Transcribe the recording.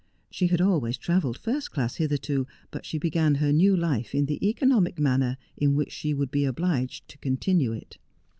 She had always travelled first class hitherto, but she began her new life in the economic manner in which she would be obliged to continue it.